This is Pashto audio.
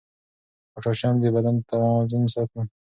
پوټاشیم د بدن توازن ساتي.